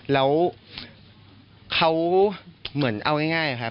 แล้วเขาเหมือนเอาง่ายครับ